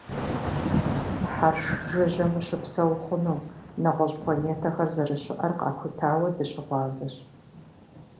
Хьэрш жыжьэм ущыпсэу хъуну, нэгъуэщӀ планетэхэр зэрыщыӀэр къахутауэ дыщыгъуазэщ.